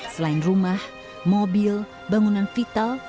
selain rumah mobil bangunan vital